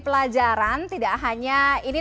pelajaran tidak hanya ini